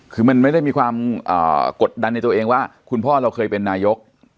คือมันไม่ได้มีความกดดันในตัวเองว่าคุณพ่อเราเคยเป็นนายก